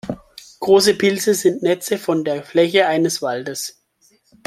Große Pilze sind Netze von der Fläche eines Waldes.